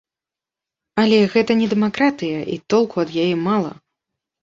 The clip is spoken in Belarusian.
Але гэта не дэмакратыя і толку ад яе мала.